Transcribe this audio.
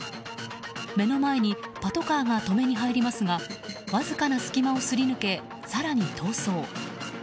目の前にパトカーが止めに入りますがわずかな隙間をすり抜け更に逃走。